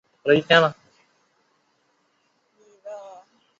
栎叶槲蕨为槲蕨科槲蕨属下的一个种。